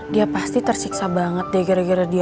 dia pasti tersiksa banget deh gara gara dia